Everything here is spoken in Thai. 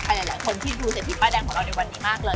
หลายคนที่ดูเศรษฐีป้ายแดงของเราในวันนี้มากเลย